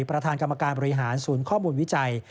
ประธานกรรมการบริหารศูนย์ข้อมูลวิจัย